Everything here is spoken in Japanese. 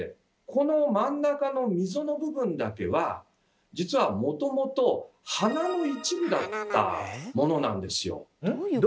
この真ん中の溝の部分だけは実はもともと鼻の一部だったものなんですよ。